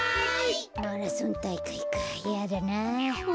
マラソンたいかいかいやだな。